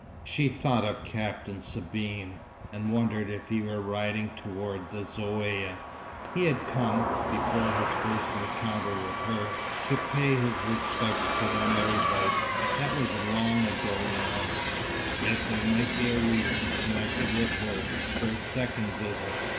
She thought of Captain Sabine, and wondered if he were riding toward the Zaouïa. He had come, before his first encounter with her, to pay his respects to the marabout. That was long ago now, yet there might be a reason, connected with her, for a second visit.